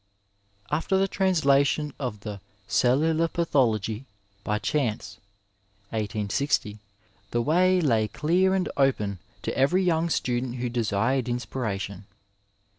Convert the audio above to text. After the translation of the CeUu lor PaUidogy by CSiance (1800) the way lay clear and open to every young student who desired inspiration.